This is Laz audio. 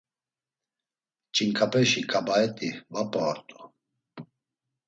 Ç̌inǩapeşi ǩabaet̆i va p̌a ort̆u.